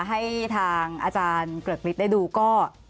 ให้ทางอาจารย์เกลือกลิศได้ดูก็